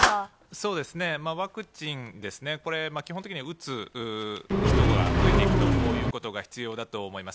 そうですね、ワクチンですね、これ、基本的には打つ人が増えていくということが必要だと思います。